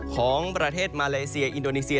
ของประเทศมาเลเซียอินโดนีเซีย